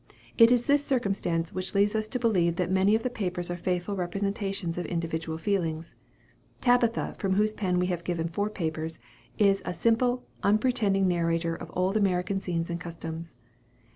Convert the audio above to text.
It is this circumstance which leads us to believe that many of the papers are faithful representations of individual feelings. Tabitha, from whose pen we have given four papers, is a simple, unpretending narrator of old American scenes and customs.